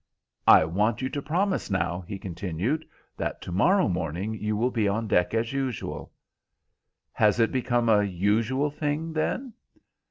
"I want you to promise now," he continued, "that to morrow morning you will be on deck as usual." "Has it become a usual thing, then?"